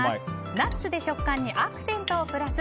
ナッツで食感にアクセントをプラス！